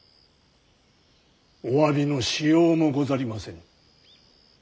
お詫びのしようもござりませぬ。